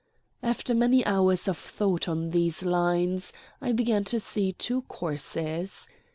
After many hours of thought on these lines, I began to see two courses.